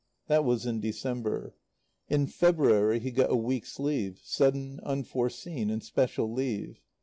That was in December. In February he got a week's leave sudden, unforeseen and special leave.